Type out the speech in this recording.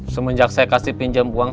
semenjak saya kasih pinjam uang